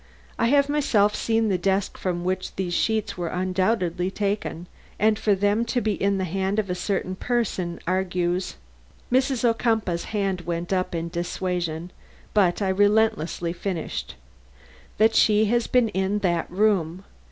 I have myself seen the desk from which these sheets were undoubtedly taken and for them to be in the hand of a certain person argues " Mrs. Ocumpaugh's hand went up in dissuasion, but I relentlessly finished "that she has been in that room!